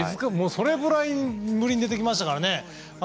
それぐらいぶりに出てきましたからね。